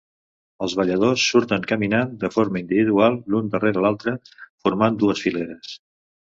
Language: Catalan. Els balladors surten caminant de forma individual l'un darrere l'altre format dues fileres.